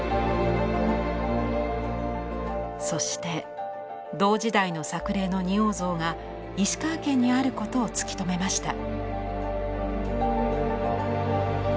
そして同時代の作例の仁王像が石川県にあることを突き止めました。